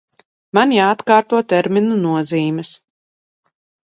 Man jāatkārto terminu nozīmes.